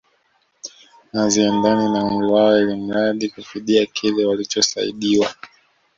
Haziendani na umri wao ilmradi kufidia kile walichosaidiwa